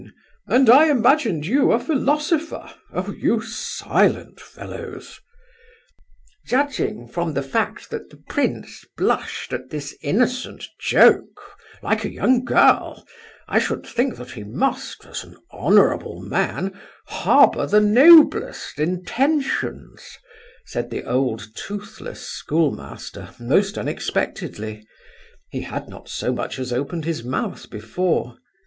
"And I imagined you a philosopher! Oh, you silent fellows!" "Judging from the fact that the prince blushed at this innocent joke, like a young girl, I should think that he must, as an honourable man, harbour the noblest intentions," said the old toothless schoolmaster, most unexpectedly; he had not so much as opened his mouth before.